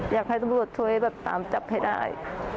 อยากให้ตำรวจช่วยแบบตามจับให้ได้